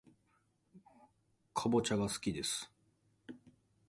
かぼちゃがすきです